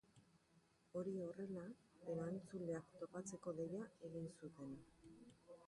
Hori horrela, erantzuleak topatzeko deia egin zuten.